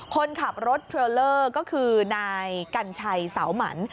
คนขับรถเทรลเลอร์ก็คือนายกัญชัยเสาหมัน